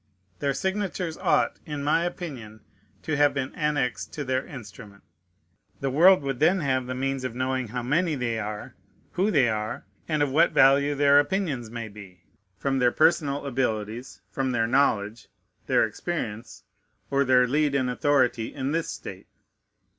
Their signatures ought, in my opinion, to have been annexed to their instrument. The world would then have the means of knowing how many they are, who they are, and of what value their opinions may be, from their personal abilities, from their knowledge, their experience, or their lead and authority in this state.